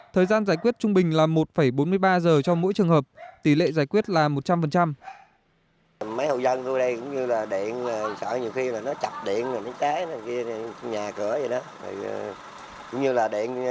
thời gian giải quyết trung bình là một bốn mươi ba giờ cho mỗi trường hợp tỷ lệ giải quyết là một trăm linh